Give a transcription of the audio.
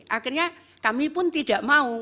akhirnya kami pun tidak mau